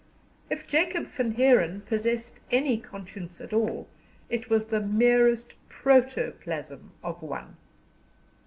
If Jacob Van Heeren possessed any conscience at all it was the merest protoplasm of one.